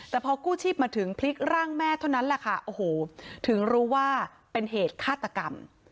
แต่พอกู้ชีพมาถึงพลิกร่างแม่เท่านั้นแหละค่ะโอ้โหถึงรู้ว่าเป็นเหตุฆาตกรรม